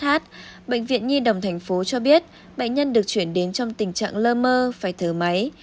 khh bệnh viện nhi đồng thành phố cho biết bệnh nhân được chuyển đến trong tình trạng lơ mơ phải thở máy